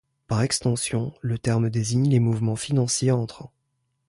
Par extension, le terme désigne les mouvements financiers entrants.